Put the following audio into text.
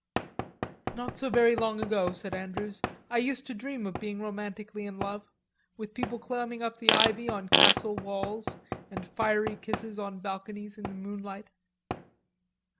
"Not so very long ago," said Andrews, "I used to dream of being romantically in love, with people climbing up the ivy on castle walls, and fiery kisses on balconies in the moonlight."